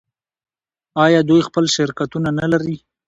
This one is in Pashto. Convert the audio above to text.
آیا دوی خپل شرکتونه نلري؟